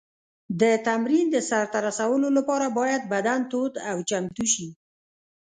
د تمرین د سر ته رسولو لپاره باید بدن تود او چمتو شي.